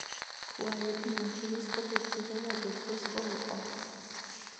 ქუალეფი მონთირესკო დო კიდალა გედგესკო ოკო.